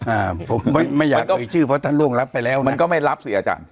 อ่าผมไม่ไม่อยากต้องมีชื่อเพราะท่านล่วงรับไปแล้วมันก็ไม่รับสิอาจารย์